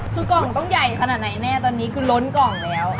คือกล่องต้องใหญ่ขนาดไหนแม่ตอนนี้คือล้นกล่องแล้ว